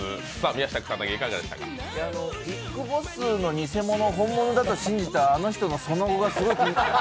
ＢＩＧＢＯＳＳの偽物を本物だと信じたあの人のその後がすごい気になる。